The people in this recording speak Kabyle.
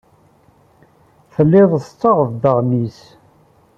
Telliḍ tessaɣeḍ-d aɣmis.